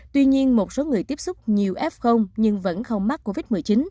tuy nhiên một số người tiếp xúc nhiều f nhưng vẫn không mắc covid một mươi chín